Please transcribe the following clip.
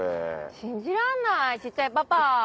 信じらんない小っちゃいパパ。